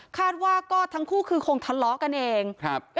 คาดว่าก็ทั้งคู่คือคงทะเลาะกันเอง